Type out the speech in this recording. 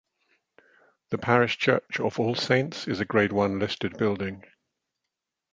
The parish Church of All Saints is a Grade One listed building.